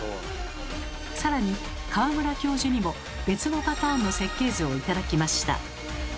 更に川村教授にも別のパターンの設計図を頂きました。